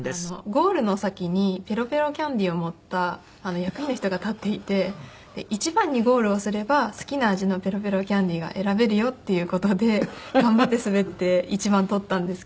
ゴールの先にペロペロキャンディーを持った役員の人が立っていて一番にゴールをすれば好きな味のペロペロキャンディーが選べるよっていう事で頑張って滑って一番取ったんですけど。